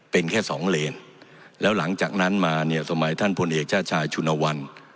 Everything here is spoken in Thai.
เป็นแค่สองเลนแล้วหลังจากนั้นมาเนี่ยสมัยท่านพลเอกชาติชายชุนวัน